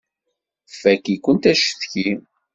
Fakk-ikent acetki!